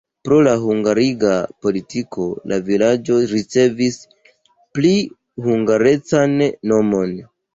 Pro la hungariga politiko la vilaĝo ricevis pli hungarecan nomon.